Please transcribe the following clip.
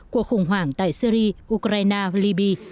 cuộc khủng hoảng tại syri ukraine libya